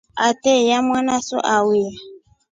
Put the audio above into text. Ateiya mwanaso auye.